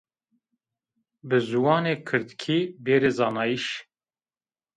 Bi ziwanê kirdkî bêrê zanayîş